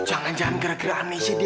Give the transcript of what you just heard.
jangan jangan gara gara aneh sih dia